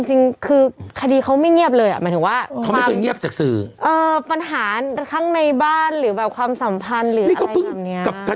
จริงคือคดีเค้าไม่เงียบเลยปัญหาทั้งในบ้านความสัมพันธ์หรืออะไรแบบนี้